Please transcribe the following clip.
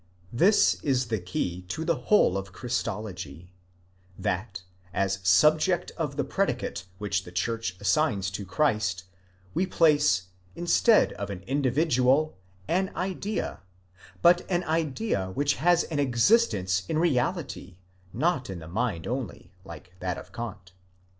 This is the key to the whole of Christology, that, as subject of the predicate which the church assigns to Christ, we place, instead of an individual, an idea ; but an idea which has an existence in reality, not in the mind only, like that of Kant.